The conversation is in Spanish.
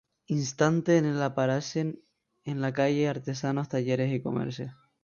Instante en el aparecen en la calle, artesanos, talleres y comercios.